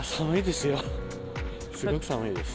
すごく寒いです。